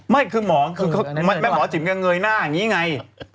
ไม่คือหมอจิ๋มเงยหน้าอย่างงี้ไง